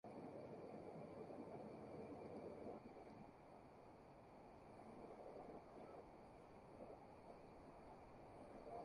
Introducida en Gran Bretaña, Francia, Noruega y Suecia.